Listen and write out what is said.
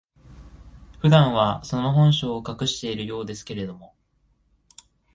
普段は、その本性を隠しているようですけれども、